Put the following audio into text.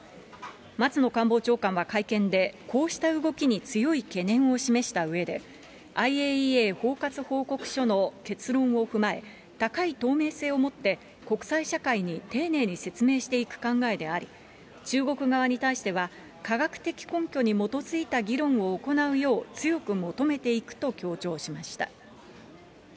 松野官房長官は会見で、こうした動きに強い懸念を示したうえで、ＩＡＥＡ包括報告書の結論を踏まえ、高い透明性を持って、国際社会に丁寧に説明していく考えであり、中国側に対しては、科学的根拠に基づいた議論を行うよう強く求めていくと強調しました。